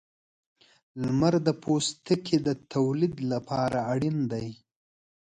• لمر د پوستکي د تولید لپاره اړین دی.